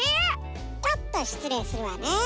ちょっとしつれいするわね。